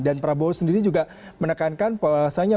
dan prabowo sendiri juga menekankan bahwasannya